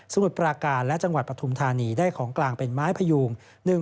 มุดปราการและจังหวัดปฐุมธานีได้ของกลางเป็นไม้พยูง